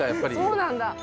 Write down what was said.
そうなんだ。